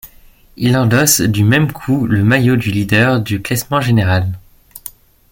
Il endosse du même coup le maillot de leader du classement général.